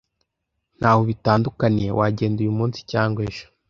Ntaho bitandukaniye wagenda uyu munsi cyangwa ejo.